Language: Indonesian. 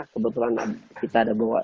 kebetulan kita ada bawa